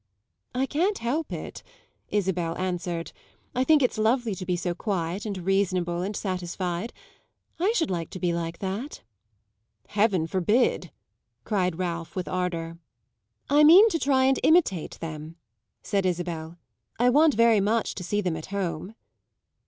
"I can't help it," Isabel answered. "I think it's lovely to be so quiet and reasonable and satisfied. I should like to be like that." "Heaven forbid!" cried Ralph with ardour. "I mean to try and imitate them," said Isabel. "I want very much to see them at home."